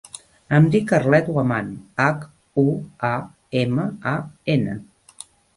Em dic Arlet Huaman: hac, u, a, ema, a, ena.